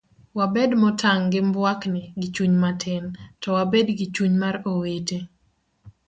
wabed motang' gi mbuakni gi chuny matin to wabed gi chuny mar owete